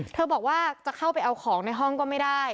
บอกว่าจะเข้าไปเอาของในห้องก็ไม่ได้